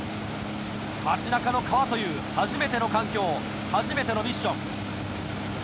街中の川という初めての環境初めてのミッション。